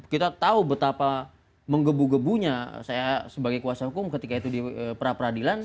kita tahu betapa menggebu gebunya saya sebagai kuasa hukum ketika itu di pra peradilan